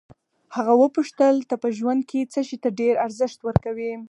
هغه وپوښتل ته په ژوند کې څه شي ته ډېر ارزښت ورکوې.